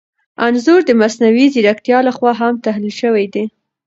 انځور د مصنوعي ځیرکتیا لخوا هم تحلیل شوی دی.